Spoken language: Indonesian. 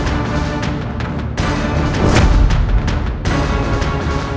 aku ingin bisa menggunakan pusingan